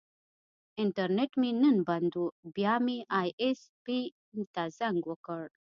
انټرنیټ مې نن بند و، بیا مې ائ ایس پي ته زنګ وکړ.